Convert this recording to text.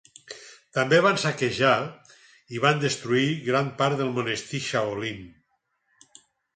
També van saquejar i van destruir gran part del monestir Shaolin.